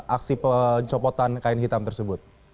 aksi pencopotan kain hitam tersebut